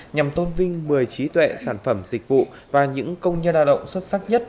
nhằm tôn vinh một mươi trí tuệ sản phẩm dịch vụ và những công nhân lao động xuất sắc nhất